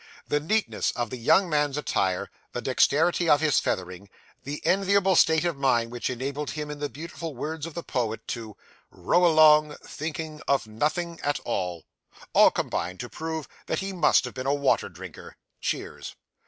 The neatness of the young man's attire, the dexterity of his feathering, the enviable state of mind which enabled him in the beautiful words of the poet, to 'Row along, thinking of nothing at all,' all combined to prove that he must have been a water drinker (cheers).